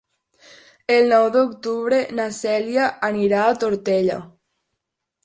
El nou d'octubre na Cèlia anirà a Tortellà.